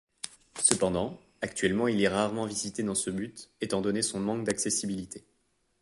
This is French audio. Cependant, actuellement il est rarement visité dans ce but, étant donnée son manque d'accessibilité.